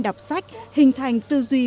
đọc sách hình thành tư duy